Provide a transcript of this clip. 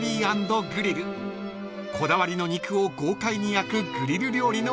［こだわりの肉を豪快に焼くグリル料理のお店です］